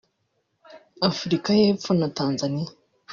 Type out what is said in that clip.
Afurika y’Epfo na Tanzania